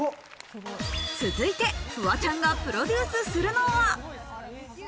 続いて、フワちゃんがプロデュースするのは。